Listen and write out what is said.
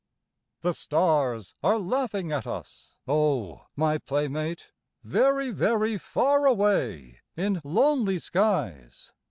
The stars are laughing at us, O, my playmate, Very, very far away in lonely skies.